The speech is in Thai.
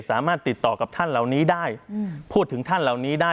สามารถติดต่อกับท่านเหล่านี้ได้พูดถึงท่านเหล่านี้ได้